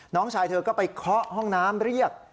น้องชายเธอก็ไปเคาะห้องน้ำเรียก